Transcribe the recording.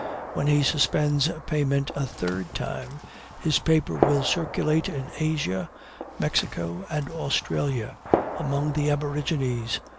When he suspends payment a third time, his paper will circulate in Asia, Mexico, and Australia, among the aborigines.